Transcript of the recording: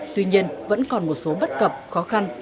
tuy nhiên vẫn còn một số bất cập khó khăn